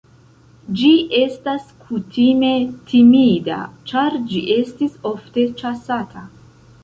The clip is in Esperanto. Ĝi estas kutime timida, ĉar ĝi estis ofte ĉasata.